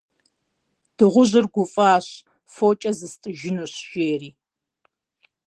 Дыгъужьыр гуфӏащ: «Фокӏэ зыстӏыжынущ! - жери.